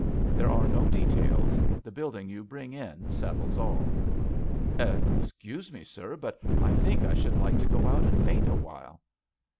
There are no details. The building you bring in settles all." "Excuse me, sir, but I think I should like to go out and faint awhile."